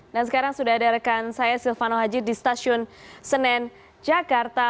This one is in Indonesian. nah sekarang sudah ada rekan saya silvano haji di stasiun senen jakarta